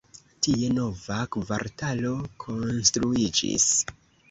Tie nova kvartalo konstruiĝis.